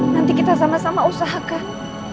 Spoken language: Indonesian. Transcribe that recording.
nanti kita sama sama usahakan